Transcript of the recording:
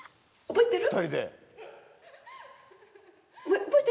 覚えてる？